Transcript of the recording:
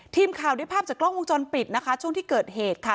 ทีมข่าวได้ภาพจากกล้องวงจรปิดนะคะช่วงที่เกิดเหตุค่ะ